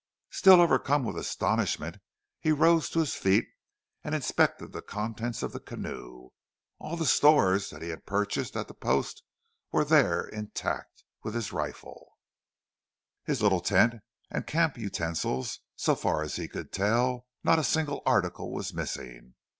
Still overcome with astonishment he rose to his feet and inspected the contents of the canoe. All the stores that he had purchased at the Post were there intact, with his rifle, his little tent and camp utensils, so far as he could tell, not a single article was missing.